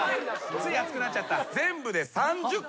つい熱くなっちゃった。